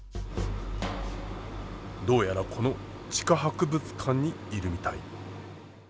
どうやらこの地下博物館にいるみたい。